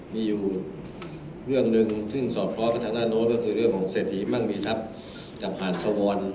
มีอยู่เรื่องหนึ่งซึ่งสอดคล้อกับทางนั้นนี้ก็คือเรื่องของเสพหิมั่งวีชัพจับห่านทะวัน